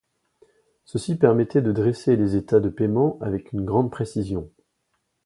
Ceci permettait de dresser les états de paiement avec une grande précision.